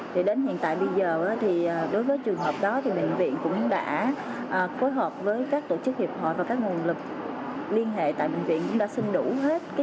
thì đến hiện tại bây giờ thì đối với trường hợp đó thì bệnh viện cũng đã phối hợp với các tổ chức hiệp hội và các nguồn lực liên hệ tại bệnh viện cũng đã xin đủ hết